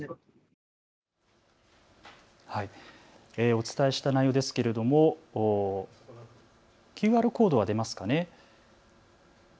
お伝えした内容ですけれどもＱＲコードは出ますかね。